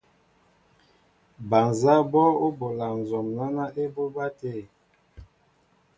Bal nzáá bɔ́ bola nzɔm náná ébobá tê.